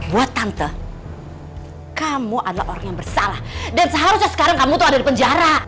buat tante kamu adalah orang yang bersalah dan seharusnya sekarang kamu tuh ada di penjara